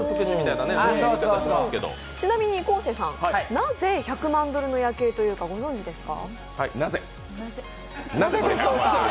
ちなみに昴生さん、なぜ１００万ドルの夜景というかご存じですか？